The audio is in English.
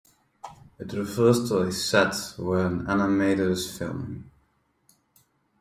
It refers to a set where an animator is filming.